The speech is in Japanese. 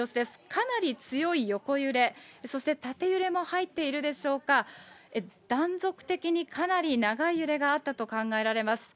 かなり強い横揺れ、そして縦揺れも入っているでしょうか、断続的にかなり長い揺れがあったと考えられます。